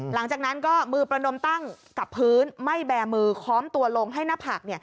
หลังจากนั้นก็มือประนมตั้งกับพื้นไม่แบมือค้อมตัวลงให้หน้าผัก